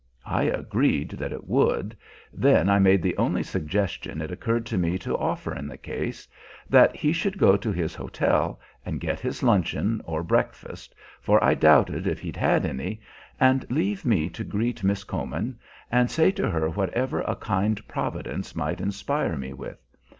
I agreed that it would. Then I made the only suggestion it occurred to me to offer in the case that he should go to his hotel and get his luncheon or breakfast, for I doubted if he'd had any, and leave me to meet Miss Comyn, and say to her whatever a kind Providence might inspire me with.